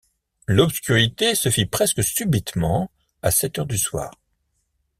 L’obscurité se fit presque subitement à sept heures du soir.